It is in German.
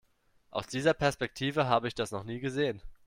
Aus dieser Perspektive habe ich das noch nie gesehen.